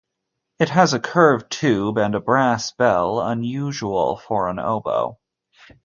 It has a curved tube and a brass bell, unusual for an oboe.